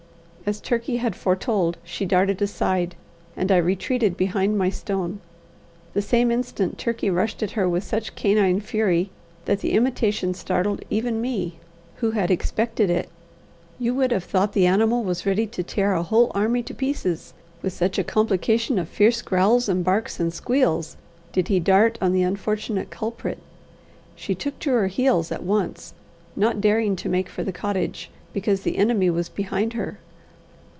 As Turkey had foretold, she darted aside, and I retreated behind my stone. The same instant Turkey rushed at her with such canine fury, that the imitation startled even me, who had expected it. You would have thought the animal was ready to tear a whole army to pieces, with such a complication of fierce growls and barks and squeals did he dart on the unfortunate culprit. She took to her heels at once, not daring to make for the cottage, because the enemy was behind her.